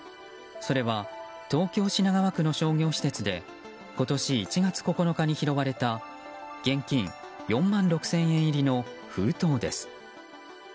それは東京・品川区の商業施設で今年１月９日に拾われた現金４万６０００円入りの封筒です。